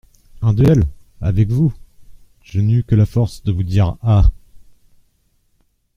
Un duel ! avec vous !… je n’eus que la force de vous dire : "Ah !